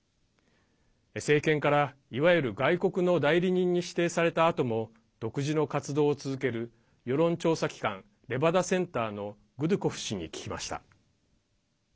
政権から、いわゆる外国の代理人に指定されたあとも独自の活動を続ける世論調査機関レバダセンターのグドゥコフ氏に聞きました。